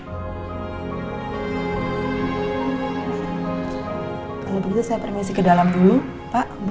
kalau begitu saya permisi ke dalam dulu pak